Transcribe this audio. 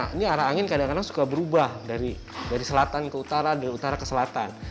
ini arah angin kadang kadang suka berubah dari selatan ke utara dari utara ke selatan